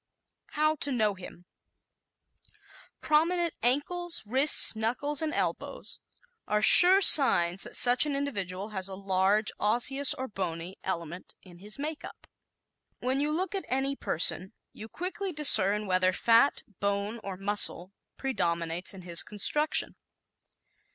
How to Know Him ¶ Prominent ankles, wrists, knuckles and elbows are sure signs that such an individual has a large osseous or bony element in his makeup. When you look at any person you quickly discern whether fat, bone or muscle predominates in his construction.